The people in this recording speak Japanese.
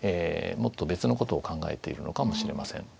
もっと別のことを考えているのかもしれません。